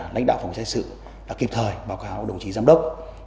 lãnh đạo phòng trách sự kịp thời báo cáo đồng chí giám đốc